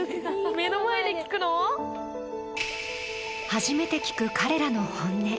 初めて聞く彼らの本音。